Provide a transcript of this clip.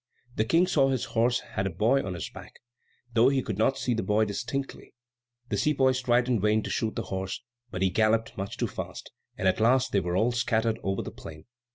The King saw his horse had a boy on his back, though he could not see the boy distinctly. The sepoys tried in vain to shoot the horse; he galloped much too fast; and at last they were all scattered over the plain.